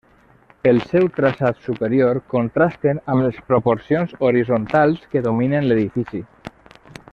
Pel seu traçat superior contrasten amb les proporcions horitzontals que dominen l'edifici.